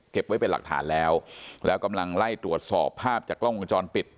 ไว้เป็นหลักฐานแล้วแล้วกำลังไล่ตรวจสอบภาพจากกล้องวงจรปิด